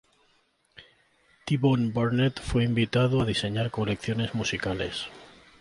T Bone Burnett fue invitado a diseñar colecciones musicales.